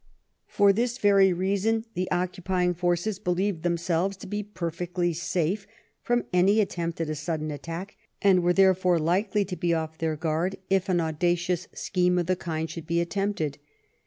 For this very reason the occupying forces believed themselves to be perfectly safe from any attempt at a sudden attack, and were, therefore, likely to be off their guard if an audacious scheme of the kind should be attempted.